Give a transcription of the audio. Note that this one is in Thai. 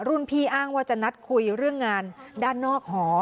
พี่อ้างว่าจะนัดคุยเรื่องงานด้านนอกหอ